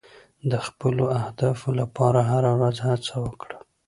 د خپلو اهدافو لپاره هره ورځ هڅه وکړه.